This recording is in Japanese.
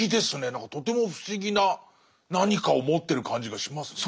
何かとても不思議な何かを持ってる感じがしますね。